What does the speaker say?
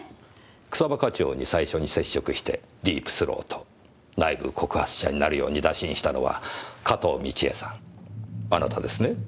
草葉課長に最初に接触してディープ・スロート内部告発者になるように打診したのは加東倫恵さんあなたですね？